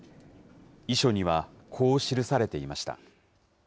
遺書には、こう記されていました。